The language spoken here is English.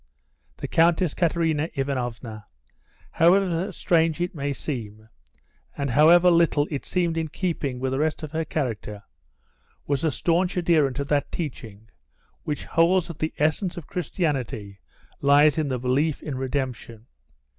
The Countess Katerina Ivanovna, however strange it may seem, and however little it seemed in keeping with the rest of her character, was a staunch adherent to that teaching which holds that the essence of Christianity lies in the belief in redemption.